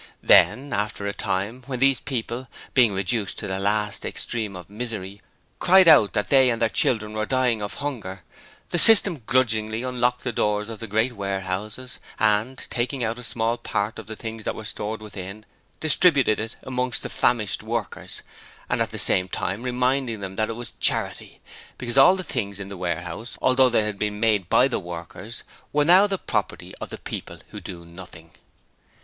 Then, after a time, when these people, being reduced to the last extreme of misery, cried out that they and their children were dying of hunger, the System grudgingly unlocked the doors of the great warehouses, and taking out a small part of the things that were stored within, distributed it amongst the famished workers, at the same time reminding them that it was Charity, because all the things in the warehouses, although they had been made by the workers, were now the property of the people who do nothing.